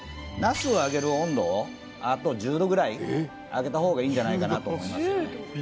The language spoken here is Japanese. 茄子を揚げる温度をあと１０℃ぐらい上げた方がいいんじゃないかなと思いますよね